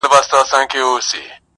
ټول جهان سې غولولای-